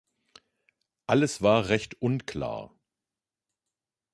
Alles war recht unklar.